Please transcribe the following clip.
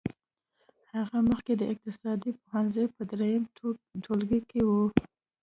هغه مخکې د اقتصاد پوهنځي په دريم ټولګي کې وه.